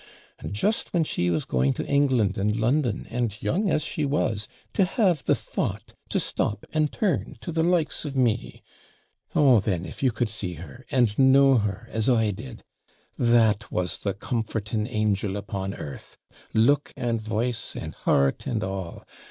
And just when she was going to England and London, and, young as she was, to have the thought to stop and turn to the likes of me! Oh, then, if you could see her, and know her, as I did! THAT was the comforting angel upon earth look and voice, and heart and all!